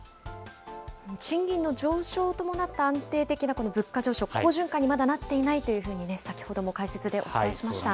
賃金の上昇を伴った安定的な物価上昇、好循環にまだなっていないというふうにね、先ほども解説でお伝えしました。